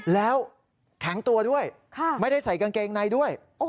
แล้วแข็งตัวด้วยไม่ได้ใส่กางเกงในด้วย